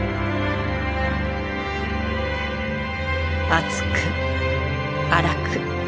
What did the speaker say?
厚く荒く。